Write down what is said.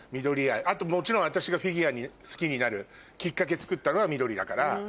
あともちろん私がフィギュアが好きになるきっかけつくったのはみどりだから。